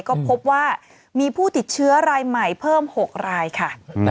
ก็พบว่ามีผู้ติดเชื้อรายใหม่เพิ่ม๖รายค่ะ